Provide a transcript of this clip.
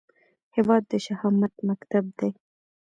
هیواد د شهامت مکتب دی